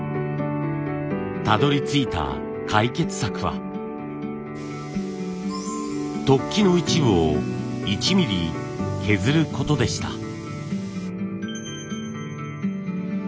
たどりついた解決策は突起の一部を１ミリ削ることでした。